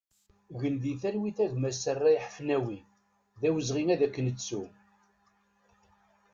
Gen di talwit a gma Serray Ḥafnawi, d awezɣi ad k-nettu!